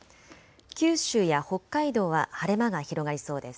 九州や北海道は晴れ間が広がりそうです。